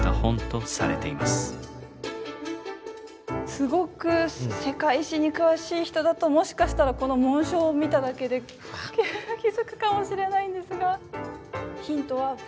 すごく世界史に詳しい人だともしかしたらこの紋章を見ただけで気付くかもしれないんですが。